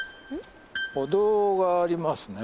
お堂がありますね。